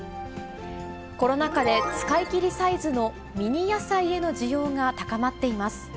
コロナ禍で使いきりサイズのミニ野菜への需要が高まっています。